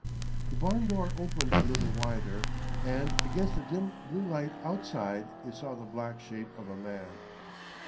The barn door opened a little wider, and against the dim blue light outside they saw the black shape of a man.